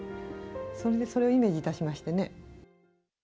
それでそれをイメージいたしましてね。